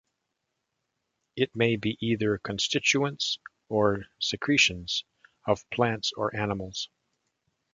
It may be either constituents, or secretions, of plants or animals.